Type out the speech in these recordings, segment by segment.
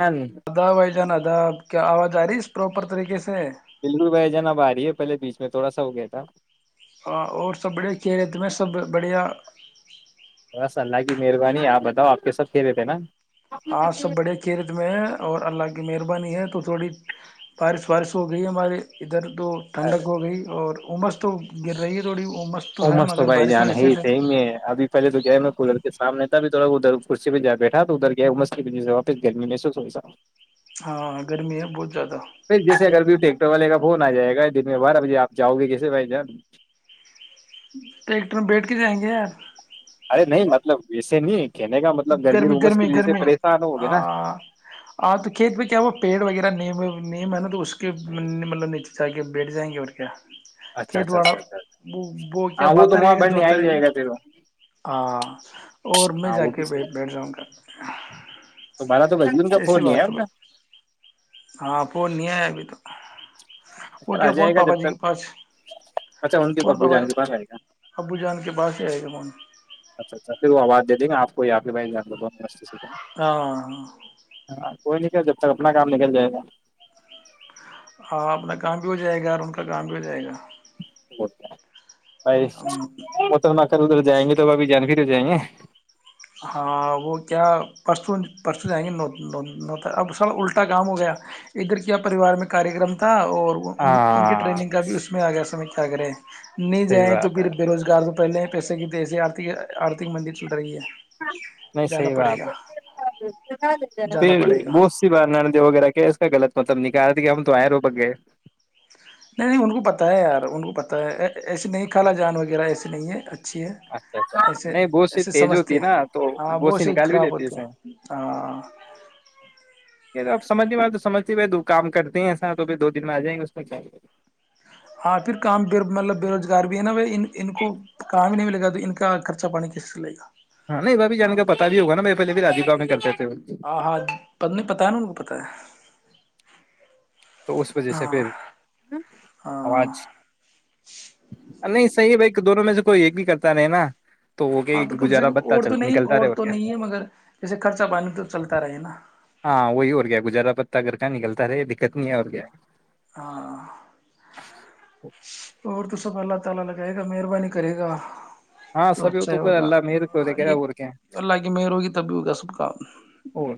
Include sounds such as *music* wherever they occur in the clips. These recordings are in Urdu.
بالکل ادا بائی جان کیا آواز آ رہی ہے اس پراپر طریقے سے بالکل بھائی جان اب آ رہی ہے پہلے بیچ میں تھوڑا سا ہو گیا تھا اور اور سب بڑے چھیرے د میں سب بڑیا بس اللہ کی مہربانی آپ بتاؤ آپ کے سب کھی رہے تھے نا آج سب بڑے کیھیرت میں ہیں اور اللہ کے کی مہربانی ہے تو تھوڑی بارش وارش ہو گئی ہمارے ادھر تو ٹھنڈک ہو گئی اور عمس تو گر رہی ہے تھوڑی امس ا ہے مس تو مگر بھائی بارش جان ہونے ہے سے صحی میں ہے ابھی پہلے تو گئے میں قدر کے سامنے بھی تھوا ادھر کرسی پہ جیا بیٹھا تو ادھر گیا م سے واپس گرمی محسوس ہو سا ہاں گرمی ہے بہت زیادہ بائی جیے اگر بیٹے گ والے کا فون آ جائے گا دن میں بارہ بجے آپ جاؤ گے کیسے بھائی جان تو ایکٹر میں بیٹھ کے جائیں گے یار ر نہیں مطلب وسے نہیں کہنے کا مطلب گرمی رومس کی گرمی وجہ سے گرمی پریشان ہوگے آ نا آ تو کت باو پیڈ وغیرہ نم نیم دو اس کے مطلب نہیںیچ جے بیٹھ جائیں گے اور کیا اچھا کھیت اچھا واڑا اچھا اچھا وہ وہ کیا ہاں تو باتتا وہاں رہے گا بڑھنے آ جوتا ہی رہے گا جائے پھر ہاں اور میں جا کے بیٹھ جاؤں گا تو مارا تو گزم کا ایسی فون نہیں بات ہے بھائی ہاں پ نہیں نہیں ابھی تو وہ اچھا آ کیا اپون جائے گا پپا جب جی تک کے پاس اچھا ان کے اپون ابو پپا جان جی کے پاس آئے گا ابو جان کے پاس ہی ہے کہ من اچھا اچھا پھر وہ آواز دیں گے آپ یہ پہ بائی جان ل سے ہاں ہاں کوئی نہیں کہ جب تک اپنا کام نکل جائے گا ہاں اپنا کام بھی ہو جائے گا اور ان کا کام بھی ہو جائے گا گ *inaudible* *unintelligible* گا نہیں متکنا اھر ادھر جائیں گے تو وہ ا بھیھی جانے پھر ہو جائیں گے ہاں وہ کیا پرسوں پرسوں جائیں گے اب سر الٹا کام ہو گیا ادھر کیا پریوار میں کاریہ کررم تھا اور ان کی ہاں ٹرینگ کا بھی اس میں آ گیا سمج کیا سگرگرے نہیں صحیح جائیں تو بات ہے پھر بے روزگار پہلے ہی پیسے کی دیہی آرت آرھک مندی چل رہی ہے نہیں جانا صحیح پڑے بات گا ہے جانا پھر پڑے گا بہت سی بار نرد وغیرہ کیا اس کا غلط مطلب نکال رہا تھا کیا ہم تو آ رو ب گے نہیں نہیں ان کو پت ہے یار ان کو پتہ ہے ایسے نہیں خالا جان وغیرہ ایسے نہیں ہے اچھا اچھی ہے اچھا اچھا ایسے نہیں بہت سی ایسے تیز ہوتی ہے سمجھتے ہیں نا تو ہاں بہت سی سےی نکال بھی خراب لیتی ہے ہوتے اس میں ہیں ہاں ب سمجھ نہیں م تو سجتی بائی دو کام کرتے ہیں ایسا توھر دو دن میں آ جائیں گے اس میں کیا ہاں پھر کام مطلب بے روزگار بھی ہے نا ب ان کو کام ہی نہیں ملے گا تو ان کا خرچہ پانی کس سے چلے گا ہاں نہیں ب ا بھی جان کا پتا بھی ہوگا میں پہل بھی راداؤں کرتےے آ ہاں پت نہیں پتا ہے نا ان کو پتاہ ہے تو اس وجہ سے ہاں پھر ہاں آواز نہیں صحیح ہے بھائی دونوں میں سے کوئی ایک ہی کرتا رہ نا وہ ہاں تو کیا کم سے گزارا کم بتہ اور چل تو نہیں نکلتا اور رہے تو کیا نہیں ہے مگر جیسے خرچہ پانی تو چلتا رہے نا گگر کاا نکلتا رہے د چتنی اور کے ہاں اور تو سب پ اللہ تعالیا لگائے گ مہربانی کرےا ہاں سب تو اللہ مر یہ اللہ کی مہر ہوگی تب بھی ہوگا سب کام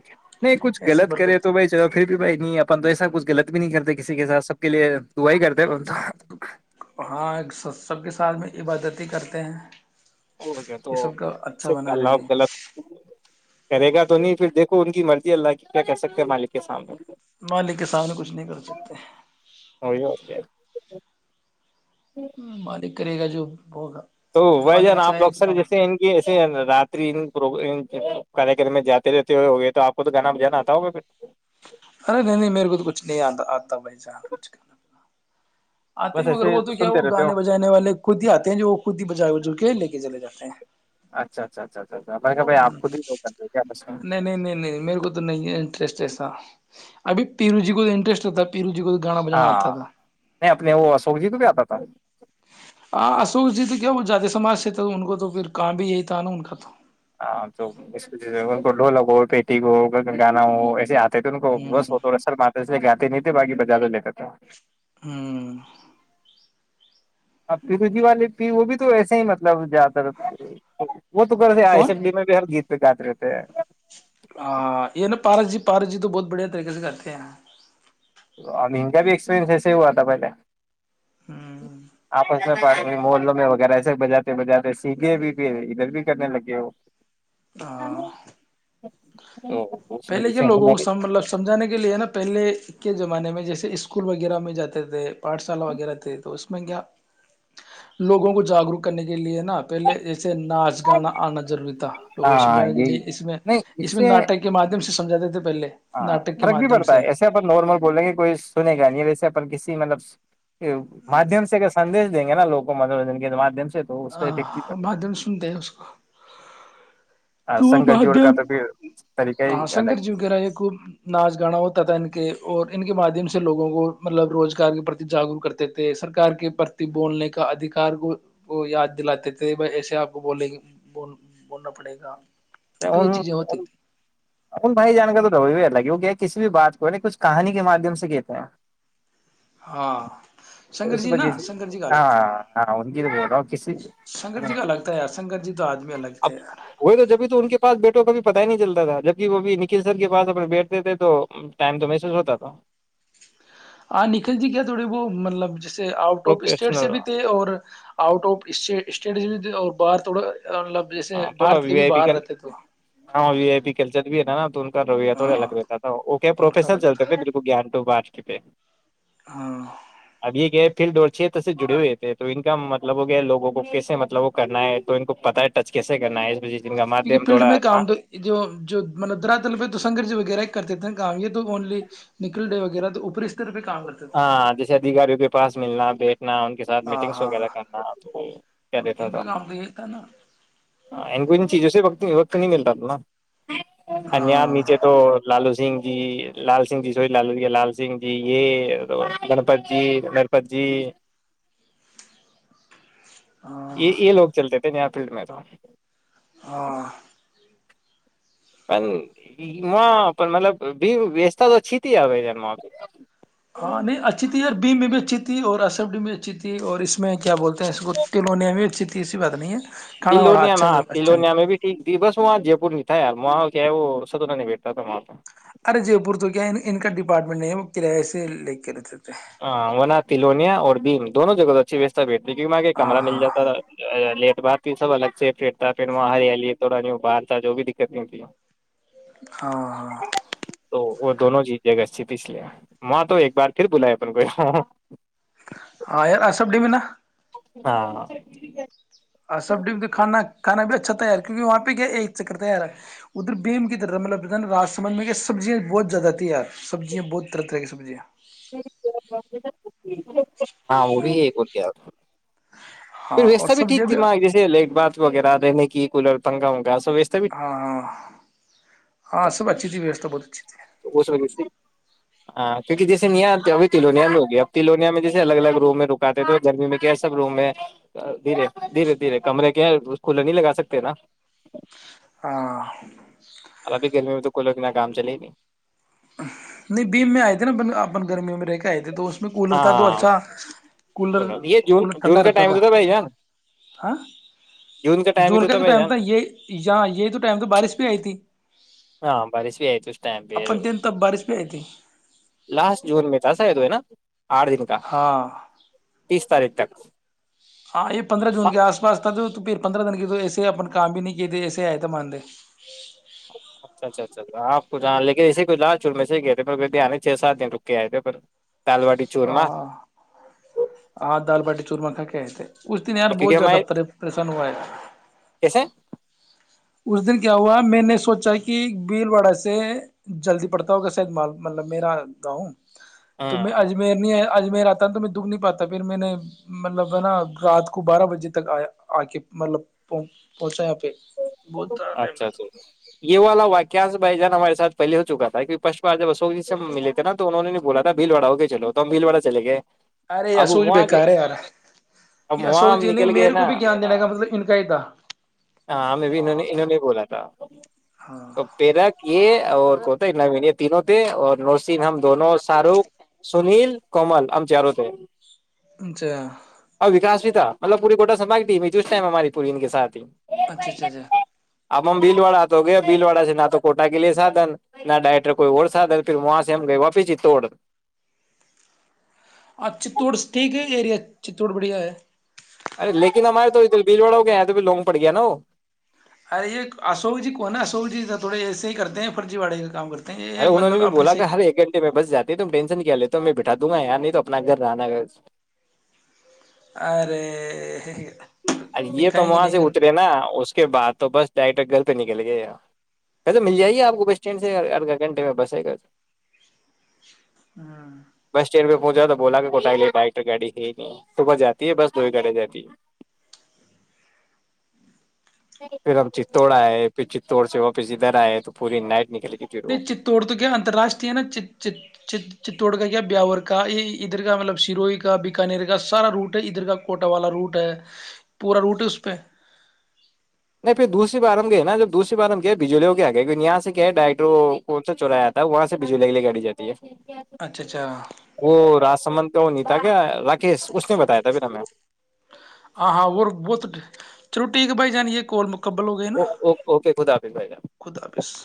کہ نہیں کچھ ایسے غلط کرے برکت تو بھائی چ پھر بھی بھائی نہیں اپن تو ایسا کچھ غلط بھی نہیں کرتے کسی کے ساتھ سب کے لیے دعا ہی کرتے ہاں سب کے سالھ میں عبادتی کرتے ہیں *unintelligible* اور کیا تو یہ سب کا اچھا بنا رہے غلط *unintelligible* کرے گا تو نہیں پھر دیکھو ان کی مرضی اللہ کی کیا کہہ سکتے ہیں مالک کے سامنے مالک کے سامنے کچھ نہیں کر سکتے مالک کرے گا جو ج *unintelligible* *inaudible* تو بھ جان آپ ل اکثر جیسے ان کے ایے راتری *unintelligible* کے کر میں جاتے رہتے ہوئے ہو گئے تو آپ کو تو گانا بجانا آتا ہوگا پھر ارے نہیں نہیں میرے کو تو کچھ نہیں آتا آتا بھائی جان کچھ کرنا آتے بس ہیں مگر ایسے وہ تو کیا سنتے وہ رہتے ہو گانے بجانے والے خود ہی آتے ہیں جو وہ خود ہی بجائے بج کے لے کے چلے جاتے ہیں اچھا اچھا اچھا اچھا اچھا میں کہ بھائی ہ آپ خود ہ ہی لوگ کرتے کیا بس نہیں نہیں نہیں نہیں میرے کو تو نہیں ہے ٹرسٹ ایسا ابھی پیرو جی کو انٹرسٹ ہوتا پیرو جی کو گانا بجانا ہاں آتا تھا نہیں اپنے وہ ا سوک جی کو بھی آتا تھا *unintelligible* ہاں اشوک جی تو کیا وہ جات سماج سے تھا ان کو تو پھر کام بھی یہی تھا نا ان کا تو ہاں تو اس و سے ڈھولک ہو پیٹی ہو گانا ہو ایسے آ تت کو ہ بس ہو رہے سر مات سے گاتی نہیں باغی بجہ لیتا تھا *unintelligible* ہوں *unintelligible* ا پیرو جی والے پ وہ بھی تو ویسے ہی مطلب زیادر وہ تو کر رہے آئے کون ایم بی میں بھی ہر گیت اترتے *unintelligible* ہاں یہ نا پارس جی پارس جی تو بہت بڑھیا طریقے سے کرتے ہیں تو ا کا بھی ایکسپیرنس ایسے ہی ہوا تھا پہلے ہ آپس *unintelligible* پاس میں محوں میں وغیرہ ایسے بجاتے بجاتے سیکھے بھی پ ادھر بھی کرنے لگے ہو ہاں تو اس پہلے وجہ کیا سے لوگوں کو ہمارے س مطلب سمجھانے کے لیے ہے نا پہلے کے زمانے میں جیسے اسکول وغیرہ میں جاتے تھے پاٹ شالا وغیرہ تھے تو اس میں کیا لوگوں کو جاگروک کرنے کے لیے ن ن پہلے جسے ناچ گانا آنا ضروری تھا کو ہاں سجنے کے یہی لیے اس میں نہیں اس میں سے ناٹک کے مادم سے سجھاتے تھے پہلے ہاں ناٹک کے فرق بھی مادھیم پڑتا سے ہے ایسے اپن نارمل بولیں گے کوئی سنے گا نہیں ویسے اپن کسی مطلب مادھیم سے اگر سندیش دیں گے نا لووں کو منورنجن کے مادھیم سے تو اس آ کا افیکٹ بھی بادن سنتے ہیں اس کو پڑتا تو وہ سنکر جوڑ کا مادم تو پھر طریقہ ہی ہاں شنکر الگ جیوں کے رہا یہ خ ناچ گانا ہوتا تھا ان کے اور ان کے مادھیم سے لوگوں کو مطلب روزگار کے پرتی جاگروک کرتے تھے سرکار کے پرتی بولنے کا ادھیکار کو یاد دلاتے تھے بھائی ایسے آپ کو بولے گی ب بولنا پڑے گا تو یہ چیزیں ہوتی تھی بھائی جان کر تو د لگی وہ کہ کسی بھی بات کو کچھ کہانی کے مادھیم سے کہتے ہیں ہاں تو شنکر اس جی وجہ نا سے شنکر جی کا ہاں الگ تھا ہاں ان کی تو بول رہا ہوں کسی شنکر جی کا الگ تھا یار شنکر جی تو آدمی الگ اب تھے یار وہ تو جبھی تو ان کے پاس بیٹوں کبھی پتا ہی نہیں چلتا تھا جبک وہ بھی نکھل سر کے پاس اپنے بیٹھتے تھے تو ٹائم تو محسوس ہوتا تھا ہاں نکھن جی کیا تھوڑے وہ مطلب جیس آؤٹ آف اسٹیٹ سے پروفیشنل بھی تھے اور آؤٹ آف اس اسٹیٹ سے بھی تھے اور باہر تھوڑا مطلب جیسے ہاں تھوڑا بھارت وی کے بھی آئی پی باہر کل رہتے تھے ہاں وی آئی پ کلچر بھی ہے نا رویا تھڑای الگ ہاں رہتا تھا کیا ان کا پروفشنل لگتا چلتے تھے بالکل گیانٹو بات اسٹ پ *unintelligible* *unintelligible* ہاں ف چھیتر سے جڑے ہوئے تھے تو ان کا مطلب وہ گیا لووں کو کیسے مطلب وہ کرنا ہے تو ان کو پتا ٹچ کیسے کرنا ہے اس بج سے ان کا کیونکہ مادھیم فیلڈ میں تھوڑا تھا کام جو جو مطب دراتل پہ تو سنگگرج وغیرہ کرتے تھے کام یہ تو اونلی نکل ڈے وغیرہ تو اوپر اس طرحہ ہاں جیسے ادھیکاریوں کے پاس ملنا بیٹھنا ان کے ساتھ ہاں میٹنگس ہاں وغیرہ کرنا کیا تو دیتا ان تھا کا کام تو یہی تھا نا ان کو ان چیزوں سے وقت نہیں مل رہا تھا نا ا ناں ہاں نیچے تو لالو سن جی لال سن جی سو ل لو ہے لال سننھی یہ گنپت جی نرپت جی *unintelligible* ہاں یہ یہ لوگ چلتے تھے فلڈ میں تو ہاں پن وہ پ مطلب بویواستھا و چت ک آ ج م آ *unintelligible* بیم میں بھی اچھی تھی اور اسب ڈی بھی اچھی تھی اور اس میں کیا بولتے تو اس کو کلو نے میں اچ *unintelligible* اٹتیی ای سی بات نہیں ہے کھانا وانا تلوونیا میں اچھا ہاں اچھا تلوونیا مل میں بھی ٹھیک تھی بس وہاں جے پور یار م آ کہ سد نہیں بیٹتا تھا م آ تو ارے جے پور تو کیا ان کا ڈپارٹمنٹ نہیں ہے وہ کرای سے لے کےتے تھے ہاںنا تلونیا اور بھیم دونوں جگہ سے اچھی ویتا بھیٹ دیکھی کہ میںاں ہاں کمر مل ہاں جاتا بات سب الگ سے پٹ تھا پ وہاں ہریالی تھوڑا باہر تھا جو بھی دقت نہیں ہوتی *unintelligible* ہو ہاں *unintelligible* تو وہ دونوں جییں گ چت اس لیے ماں تو ایک بار پھر بلایا کوئیاں *unintelligible* ہاں یار آصب ڈیمینا ہاں اور سب ڈی کانا کھا بھی اچھا تھا یار کیکہ وہاںہ گ ایک چکر تیار ادھر بیم کی طرحلب را سم میں سبزیاں بہت زیاد تیار سبزیا بہت طرح طرح کی سبزیاں جی *unintelligible* ہاں وہ بھی ہو کیا آ پھر ہاں اور ویستا بھی سبزیاں ٹھیک تھی ماں جیسے لٹ بات وغیرہ رہنے کی کولر تنگا ہاں ہاں ہاں سبچھییست بہت جچ *unintelligible* اس وجہ سے ہاں کیونکہ جیسے ن آتی ابھی تلونیا میں ہوگیا اب تلونیا میں جیسے الگ الگ روم میں رکاتے تھے گرمی میں کیا ہے سب روم میں دھیر دھیرے دھیرے کمرے کے ہے کھلا نہیں لگا سکتے نا ہ *unintelligible* *inaudible* تو و کہ میں کام چلے بھی نہیں بھیم میں آئے تھے نا اپ اپن گرمیوں میں رہ کے ئے تھ تو اس میں کولر تھا تو ہاں اچھا کولر کوئی لوگ- یہ جون کولر جون ٹھنڈا کا رکھتا ٹائم تھا تو بھائی جان ہ جون کا جو ٹائم تھا یہ یہ جو ٹائم تھا بارش بھی آئی تھی ہاں برس بھی آئی ت اسٹائم پ اپن تین تب بارش بھی آئی تھی لاسٹ جون میں تھا ساید ہوئے نا آٹھ دن کا ہاں تیس تاریخ تک *unintelligible* ہاں یہ پندرہ جون سا- کے آس پاس تھا تو پھر پندرہ دن کی تو ایسے اپ کام بھی نہیں کیے تھے ایسے آئے تو مان د اچھا اچھا اچھا آپ کو ج لیکن اسیے ک لال چور میںے ہی گئے تھے پرھر آ نہیں چھ سات دن رک کے آئے تھے پر دال باٹی ہ چورما ہ دال بٹی چور مکھا کیا ہےےتے اس دن یار بہت کیونکہ زیادہ ہمارے پ پریشان ہوا ہے کیسے اس دن کیا ہوا میں نے سوچا کہ بیل واڑا سے جلدی پڑتا ہوگا شاید مال مطلب میرا گاؤں تو ہاں میں اجمیر نہیں آ آج م آتا نا تو میں دکھ نہیں پاتا پھر میں نے مطلب ہے نا رات کو بارہ بجے تک آ آ کے مطلب پہنچا یہاں پہ بہت سارا ٹائم اچھا اچھا لگا یہوا لوا کیاس بائی جانا ہمے پہے ہو چکا تھا کہ پشٹ بار جب اشوکی سے ملے نا تو انہ نے نہیں بولا تھا بھیل وا ہو گ چلو تو ہم بھیل وا چے گئے ارے اب سوک جی وہاں گئے بےیکار ہے یار اب وہاں شوک ہم جی نہیں نکل گئے میرے نا کو بھی گان دینے کا مطلب ان کا ہی تھا ہاں میں بھی انہوں نے انہوں نے بولا تھا ہاں تو پیرا کی اور کو تھانا بھی نہیں تینوں تھے اور نوس سن ہم دونوں شاہ رخ سنیل کمال آ ہم سے آروتے ہے اچھا اور وکاس بھی تھا مطلب پوری کوٹا سے باگٹی اس ٹائم ہماری پوری ان کے سات ہی اچھا اچھا اچھا اب ہم بھیلواڑا آ تو ہو گیا بھیل واڑا سے نہ تو کوٹا کے لیے سادن نہ ڈائریکٹر کوئی اور سادھن پھر وہاں سے ہم گئے واپس ہی توڑ ہاں چتوڑ ٹھیک ہے ایریا چتوڑ بڑھیا ہے ار لیککن ا مارے تول بیج وڑا گ تو پھر لونگ پڑ گیا نا وہ ارے یہ اشوک جی کون نا اشوک جی تھوڑے ایسے ہی کرتے ہیں فرضی واے کام کرتے ہیں ارے یہ انہوں نے مطلب نہیں اپنے بولا سے کہ ہر ایک گھنے میں بس جاتا نہیں تم ٹینشن کیا لیتا میں بٹھا دوں گا یار نہیں تو اپنا گھر رہناا گ ارے ا یہ تو دکھائیں گے وہاں نہیں سے کر کے اترے نا اس کے بعد تو بس ڈائریکٹ گل پہ نکل گئے ی چل تو مل جائیےا آپ کو بس اسٹینڈ سے آدھا گھنٹے میں بس ہے گا ہاں ہو جاتا بولا کے کوٹ ڈائریکٹر گاڑی ہی نہیں صبح جاتی ہے بس دو ہی گاڑیاں جاتی ہے پھر ہم چتڑ آئے پھر چتڑ سے واپس ادھر آئے تو پوری نائٹ نکل گئی پھر وہ نہیں چتڑ تو کیا اتراشٹری ہے نا چتوڑ کا کیا بیاور کا یہ ادھر کا مطلب سروئی کا بیکانر کا سارا روٹ ہے ادھر کا کوٹا والا روٹ ہے پورا روٹ ہے اس پہ نہیں پھر دوسری بار ہم گئے نا جب دوسری بار ہم گئے بجلیوں کے آ گئے کی یہاں سے کیا ہے ڈائٹرو کون سا چایا آتا ہے وہاں سے بجلی کے لے گڑی جاتی ہے اچھا اچھا وہ راج سمت تو نہیں تھا کیا راکیش اس نے بتایا تھا ب ن میں آاں ہاں وہ بت چلو ٹھیک بھائی جانیے کوول مک ا اوکے خدا حاف بھائی ج خدا حافظ